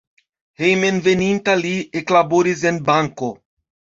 Hejmenveninta li eklaboris en banko.